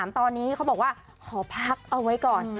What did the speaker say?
ตอนนี้เขาบอกว่าขอพักเอาไว้ก่อน